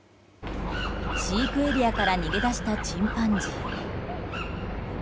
飼育エリアから逃げ出したチンパンジー。